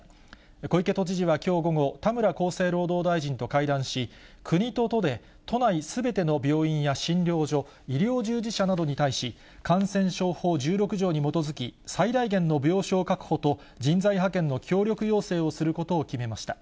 小池都知事はきょう午後、田村厚生労働大臣と会談し、国と都で都内すべての病院や診療所、医療従事者などに対し、感染症法１６条に基づき、最大限の病床確保と、人材派遣の協力要請をすることを決めました。